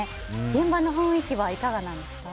現場の雰囲気はいかがですか？